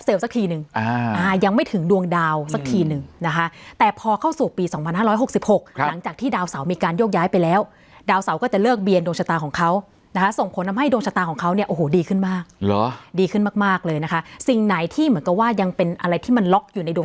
สิ่งนั้นจะกลายเป็นความจริงแน่นอน